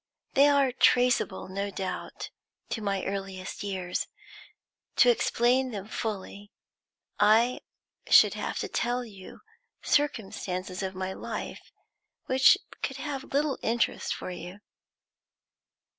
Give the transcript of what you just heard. They are traceable, no doubt, to my earliest years. To explain them fully, I should have to tell you circumstances of my life which could have little interest for you."